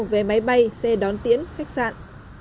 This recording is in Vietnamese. về máy bay xe đón tiễn khách sạn